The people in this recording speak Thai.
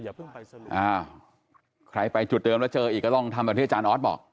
อ้าวใครไปจุดเดิมแล้วเจออีกก็ต้องทำแบบที่อาจารย์ออสบอก